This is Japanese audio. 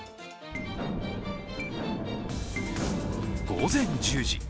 午前１０時。